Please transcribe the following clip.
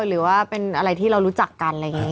หรือว่าเป็นอะไรที่เรารู้จักกันอะไรอย่างนี้